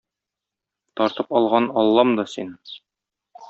Тартып алган Аллам да - син!